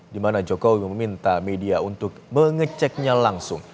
di mana jokowi meminta media untuk mengeceknya langsung